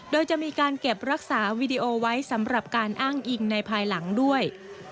โดยจะมีการเก็บรักษาวีดีโอไว้สำหรับการอ้างอิงในภายหลังด้วย